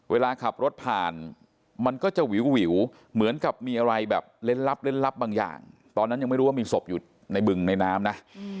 เวลาขับรถผ่านมันก็จะวิวเหมือนกับมีอะไรแบบเล่นลับเล่นลับบางอย่างตอนนั้นยังไม่รู้ว่ามีศพอยู่ในบึงในน้ำนะ